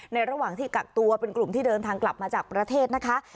ระหว่างที่กักตัวเป็นกลุ่มที่เดินทางกลับมาจากประเทศนะคะ